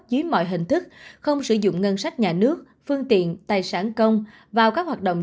dưới mọi hình thức không sử dụng ngân sách nhà nước phương tiện tài sản công vào các hoạt động